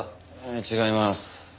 違います。